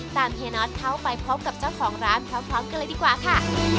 เฮียน็อตเข้าไปพบกับเจ้าของร้านพร้อมกันเลยดีกว่าค่ะ